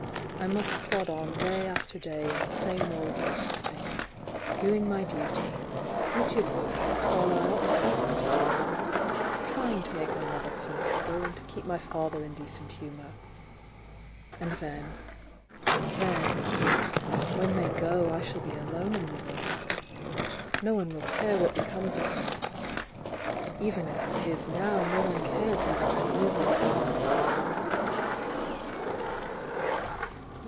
"I must plod o.i day after day in the same old rut of things, doing my duty, which is perhaps all I ought to ask to do, —trying to make my mother comfortable and to keep my father in decent humour,— and then— then — when they go, I shall be alone in the world. No one will care what becomes of me, — even as it is now no one cares whether I live or die!"